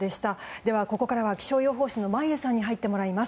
ではここからは気象予報士の眞家さんに入ってもらいます。